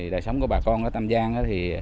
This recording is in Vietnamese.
đời sống của bà con ở tam giang